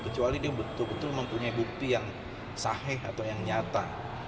kecuali dia betul betul mempunyai bukti yang sahih atau yang nyata